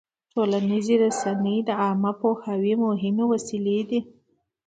ټولنیزې رسنۍ د عامه پوهاوي مهمې وسیلې دي.